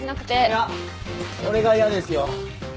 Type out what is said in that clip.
いや俺が嫌ですよ。